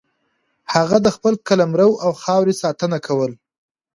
هغه د خپل قلمرو او خاورې ساتنه کوله.